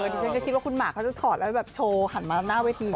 ดิฉันก็คิดว่าคุณหมากเขาจะถอดแล้วแบบโชว์หันมาหน้าเวที